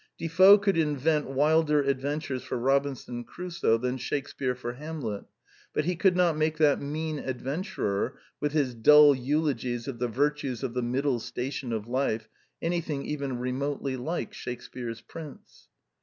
Defoe could invent wilder ad ventures for Robinson Crusoe than Shakespear for Hamlet; but; he could not make that mean adventurer, with his dull eulogies of the virtues of *^ the middle station of life," anything even re motely like Shakespear's prince.